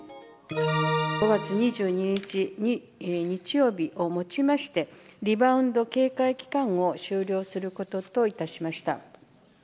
５月２２日日曜日をもちまして、リバウンド警戒期間を終了することといたしました。